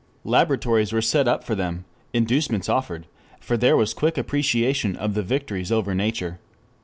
Laboratories were set up for them, inducements offered, for there was quick appreciation of the victories over nature.